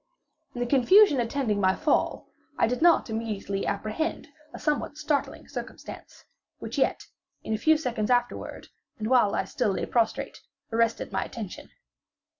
In the confusion attending my fall, I did not immediately apprehend a somewhat startling circumstance, which yet, in a few seconds afterward, and while I still lay prostrate, arrested my attention.